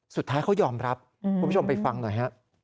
สุดท้ายเขายอมรับคุณผู้ชมไปฟังหน่อยฮะ